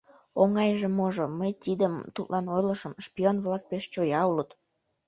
— Оҥайже, можо, мый тидым тудлан ойлышым — шпион-влак пеш чоя улыт.